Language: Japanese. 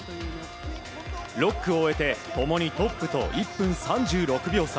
６区を終えた共にトップと１分３６秒差。